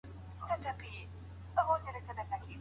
د ډيرو اسبابو له اثبات څخه عاجز کېدل.